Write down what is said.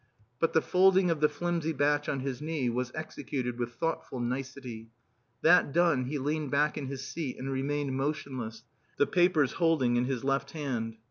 But the folding of the flimsy batch on his knee was executed with thoughtful nicety. That done, he leaned back in his seat and remained motionless, the papers holding in his left hand.